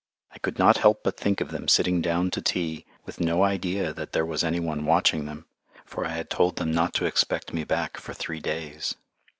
I could not help but think of them sitting down to tea, with no idea that there was any one watching them, for I had told them not to expect me back for three days.